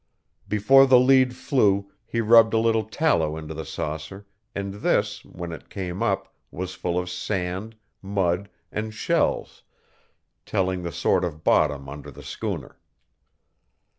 Before the lead flew he rubbed a little tallow into the saucer, and this, when it came up, was full of sand, mud, and shells, telling the sort of bottom under the schooner.